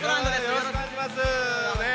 よろしくお願いします